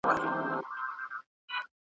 که نن نه وي سبا به د زمان کندي ته لوږي `